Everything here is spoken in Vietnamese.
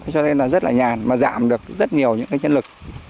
cho nên là rất là nhàn mà giảm được rất nhiều những cái nhân lực